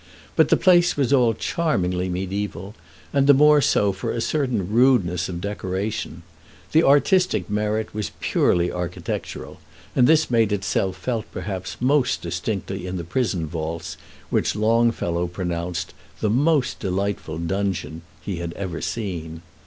But the place was all charmingly mediæval, and the more so for a certain rudeness of decoration. The artistic merit was purely architectural, and this made itself felt perhaps most distinctly in the prison vaults, which Longfellow pronounced "the most delightful dungeon" he had ever seen.